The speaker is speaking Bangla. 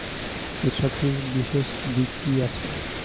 উৎসবটির বিশেষ দিক কী আছে?